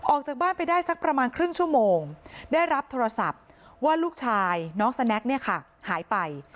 ออกจากบ้านไปได้สักประมาณครึ่งชั่วโมงได้รับโทรศัพท์ว่าลูกชายน้องสแน็กเนี่ยค่ะหายไป